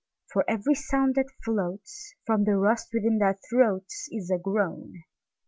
For every sound that floatsFrom the rust within their throatsIs a groan.